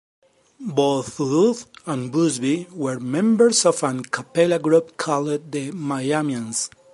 Both Sudduth and Busby were members of an a cappella group called the "Miamians".